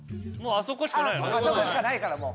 あそこしかないからもう。